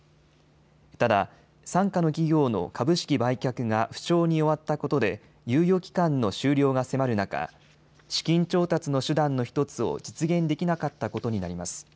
ただ傘下の企業の株式売却が不調に終わったことで猶予期間の終了が迫る中、資金調達の手段の１つを実現できなかったことになります。